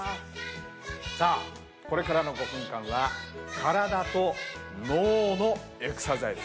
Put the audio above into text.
さあこれからの５分間は体と脳のエクササイズ。